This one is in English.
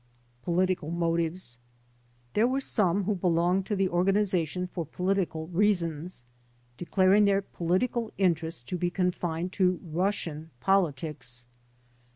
Political There were some who belonged to the organization for political reasons, declaring their political interest to be confined to Russian politics.